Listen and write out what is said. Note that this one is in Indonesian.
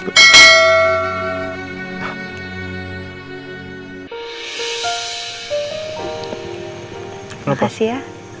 terima kasih ya